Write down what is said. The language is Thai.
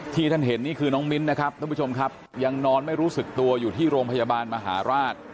ท่านเห็นนี่คือน้องมิ้นนะครับท่านผู้ชมครับยังนอนไม่รู้สึกตัวอยู่ที่โรงพยาบาลมหาราช